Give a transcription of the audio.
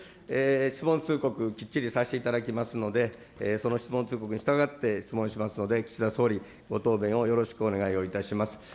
質問通告、きっちりさせていただきますので、その質問通告にしたがって質問しますので、岸田総理、ご答弁をよろしくお願いをいたします。